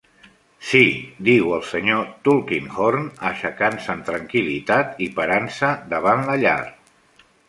"Sí", diu el senyor Tulkinghorn, aixecant-se amb tranquil·litat i parant-se davant la llar.